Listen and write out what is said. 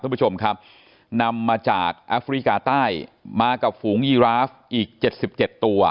ท่านผู้ชมครับนำมาจากอาฟริกาใต้มากับฝูงยีราฟอีกเจ็ดสิบเจ็ดตัว